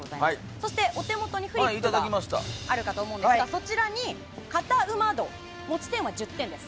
そして、お手元にフリップがあるかと思うんですがそちらにカタうま度持ち点は１０点です。